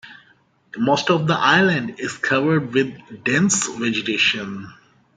Most of the island is covered with dense vegetation.